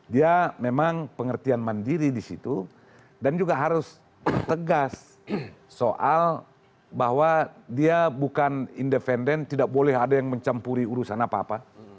dia memang pengertian mandiri di situ dan juga harus tegas soal bahwa dia bukan independen tidak boleh ada yang mencampuri urusan apa apa